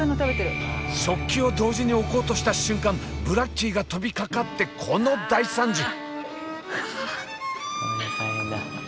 食器を同時に置こうとした瞬間ブラッキーが飛びかかってこの大惨事。